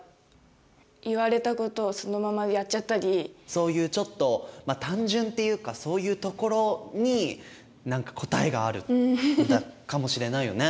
そういうちょっと単純っていうかそういうところに何か答えがあるかもしれないよね。